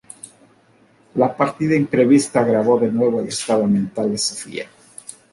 La partida imprevista agravó de nuevo el estado mental de Sofía.